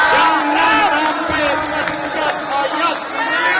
jangan sampai kita mencukup toyot